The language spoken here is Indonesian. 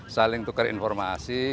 saling tukar informasi